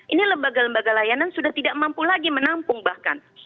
ini lembaga lembaga layanan sudah tidak mampu lagi menampung bahkan